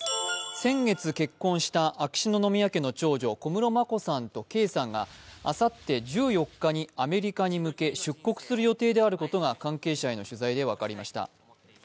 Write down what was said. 先月結婚した秋篠宮家の長女、小室眞子さんと圭さんが、あさって１４日にアメリカに向け出国する予定であることが関係者への取材で分かりました。